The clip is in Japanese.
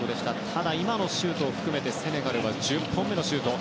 ただ、今のシュートを含めてセネガルは１０本目のシュート。